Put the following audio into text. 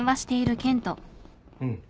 うん。